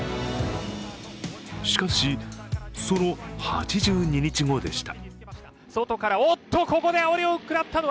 しかし、その８２日後でした。